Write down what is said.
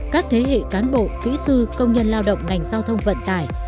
các thế hệ cán bộ kỹ sư công nhân lao động ngành giao thông vận tải